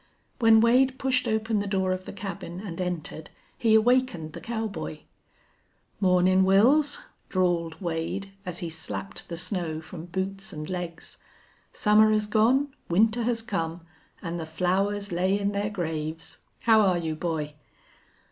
When Wade pushed open the door of the cabin and entered he awakened the cowboy. "Mornin', Wils," drawled Wade, as he slapped the snow from boots and legs. "Summer has gone, winter has come, an' the flowers lay in their graves! How are you, boy?"